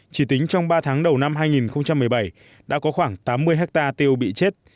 chỉ tính trong ba tháng đầu năm hai nghìn một mươi bảy đã có khoảng tám mươi hectare tiêu bị chết